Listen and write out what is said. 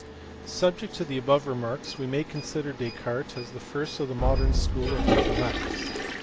Subject to the above remarks we may con sider Descartes as the first of the modern school of mathe matics.